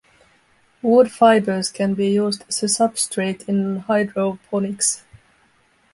Wood fibres can be used as a substrate in hydroponics.